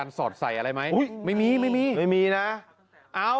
พระอาจารย์ออสบอกว่าอาการของคุณแป๋วผู้เสียหายคนนี้อาจจะเกิดจากหลายสิ่งประกอบกัน